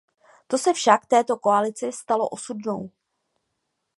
To se však této koalici stalo osudnou.